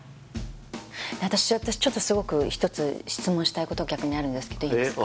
私ちょっとすごく１つ質問したいこと逆にあるんですけどいいですか？